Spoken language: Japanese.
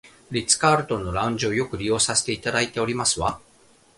リッツカールトンのラウンジをよく利用させていただいておりますわ